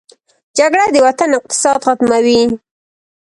جګړه د وطن اقتصاد ختموي